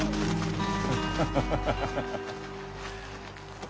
ハハハハハ！